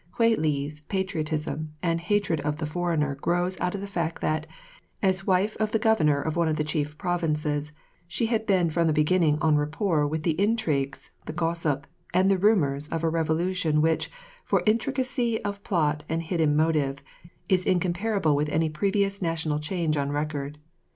Kwei li's patriotism and hatred of the foreigner grows out of the fact that, as wife of the governor of one of the chief provinces, she had been from the beginning en rapport with the intrigues, the gossip, and the rumours of a revolution which, for intricacy of plot and hidden motive, is incomparable with any previous national change on record.